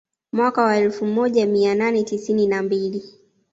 Mwaka wa elfu moja mia nane tisini na mbili